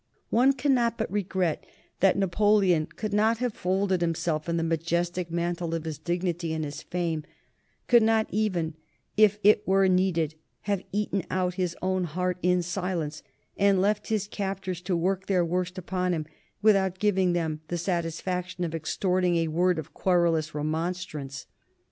One cannot but regret that Napoleon could not have folded himself in the majestic mantle of his dignity and his fame, could not even, if it were needed, have eaten out his own heart in silence, and left his captors to work their worst upon him without giving them the satisfaction of extorting a word of querulous remonstrance.